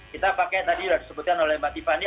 kita pakai tadi sudah disebutkan oleh mbak tiffany